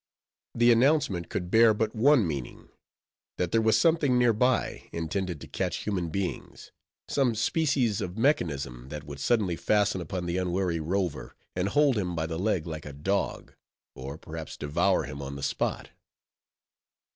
The announcement could bear but one meaning—that there was something near by, intended to catch human beings; some species of mechanism, that would suddenly fasten upon the unwary rover, and hold him by the leg like a dog; or, perhaps, devour him on the spot.